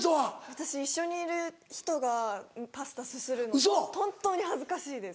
私一緒にいる人がパスタすするの本当に恥ずかしいです。